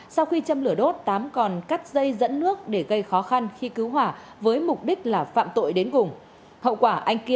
sau khi châm lửa đốt tám còn cắt dây dẫn nước để gây khó khăn khi cứu hỏa với mục đích là phạm tội đến vùng